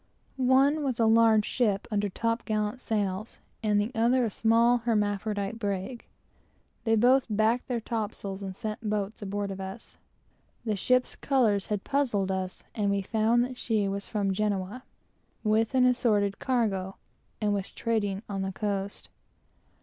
One was a large ship under top gallant sails, and the other a small hermaphrodite brig. They both backed their topsails and sent boats aboard of us. The ship's colors had puzzled us, and we found that she was from Genoa, with an assorted cargo, and was trading on the coast.